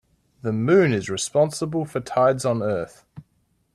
The moon is responsible for tides on earth.